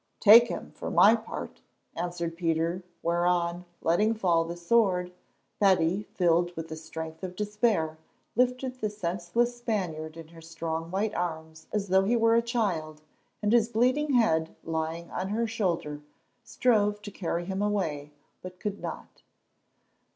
"Take him, for my part," answered Peter, whereon, letting fall the sword, Betty, filled with the strength of despair, lifted the senseless Spaniard in her strong white arms as though he were a child, and his bleeding head lying on her shoulder, strove to carry him away, but could not.